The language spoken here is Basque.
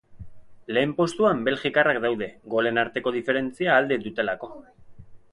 Lehen postuan belgikarrak daude, golen arteko diferentzia alde dutelako.